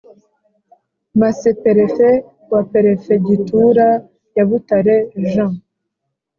Masseperefe wa perefegitura ya Butare Jean